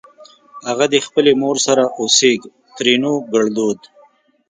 اغه دې خپلې مور سره اوسېږ؛ ترينو ګړدود